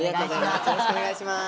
よろしくお願いします。